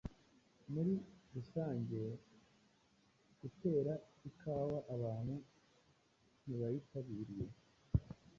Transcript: Muri rusange gutera ikawa abantu ntibayitabiriye.